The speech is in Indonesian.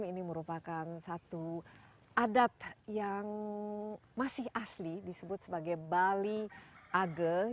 ini merupakan satu adat yang masih asli disebut sebagai bali age